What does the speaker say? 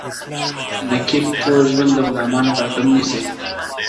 نفیب ټول ژوند د غُلامانو په رکم نیسې؟